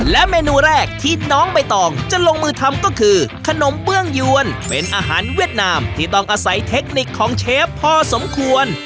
และเมนูแรกที่น้องใบตองจะลงมือทำก็คือขนมเบื้องยวนเป็นอาหารเวียดนามที่ต้องอาศัยเทคนิคของเชฟพอสมควร